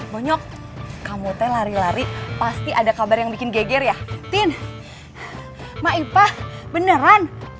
monyok kamu teh lari lari pasti ada kabar yang bikin geger ya tin maipah beneran